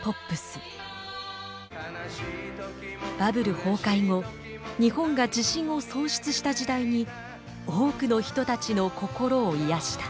バブル崩壊後日本が自信を喪失した時代に多くの人たちの心を癒やした。